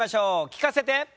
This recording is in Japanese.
聞かせて。